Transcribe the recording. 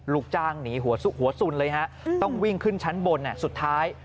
ลูกจ้างหนีหัวสุนเลยฮะต้องวิ่งขึ้นชั้นบนสุดท้าย